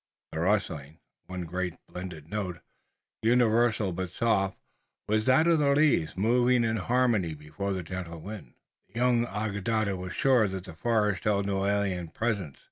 The rustling, one great blended note, universal but soft, was that of the leaves moving in harmony before the gentle wind. The young Onondaga was sure that the forest held no alien presence.